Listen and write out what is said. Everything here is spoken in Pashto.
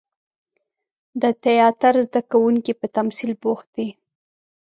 د تیاتر زده کوونکي په تمثیل بوخت دي.